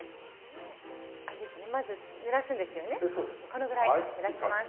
このぐらいぬらします。